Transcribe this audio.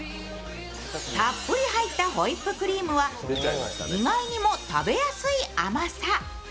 たっぷり入ったホイップクリームは意外にも食べやすい甘さ。